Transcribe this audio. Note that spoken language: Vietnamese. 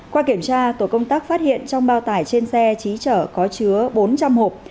qua kiểm tra tổ công tác phát hiện trong bao tải trên xe chí chở có chứa bốn trăm linh hộp